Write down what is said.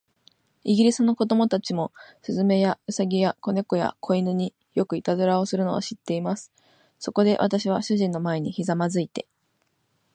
イギリスの子供たちも、雀や、兎や、小猫や、小犬に、よくいたずらをするのを知っています。そこで、私は主人の前にひざまずいて